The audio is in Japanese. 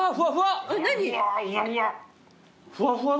ふわふわ！